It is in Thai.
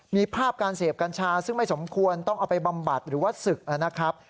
มีภาพการเสพกัญชาซึ่งไม่สมควรต้องเอาไปบำบัดหรือว่าศึกนะครับ